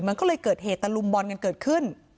มันก็เลยเกิดเหตุตะลุมบอลกันเกิดขึ้น